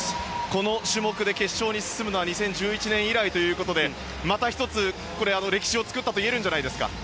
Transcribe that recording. この種目で決勝に進むのは２０１１年以来ということでまた１つ、歴史を作ったといえるんじゃないですか。